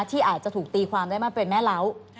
ที่อาจจะถูกตีความได้มาเป็นแม่เล้า